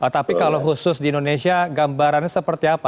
tapi kalau khusus di indonesia gambarannya seperti apa